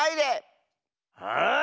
はい！